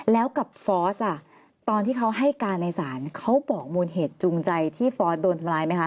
แล้วกับฟอสตอนที่เขาให้การในศาลเขาบอกมูลเหตุจูงใจที่ฟอร์สโดนทำร้ายไหมคะ